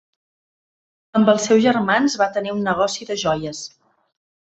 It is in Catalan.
Amb els seus germans va tenir un negoci de joies.